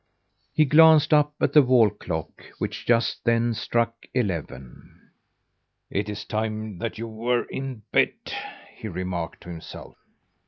He glanced up at the wall clock, which just then struck eleven. "It's time that you were in bed," he remarked to himself.